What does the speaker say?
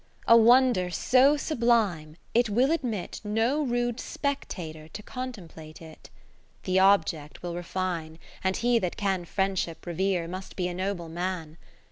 A wonder so sublime, it will admit No rude spectator to contemplate it. The object will refine, and he that can Friendship revere, must be a noble man.